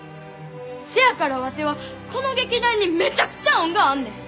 せやからワテはこの劇団にめちゃくちゃ恩があんねん。